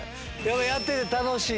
やってて楽しい？